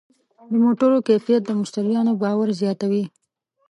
د موټرو کیفیت د مشتریانو باور زیاتوي.